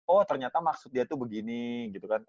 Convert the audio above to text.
oh ternyata maksud dia tuh begini gitu kan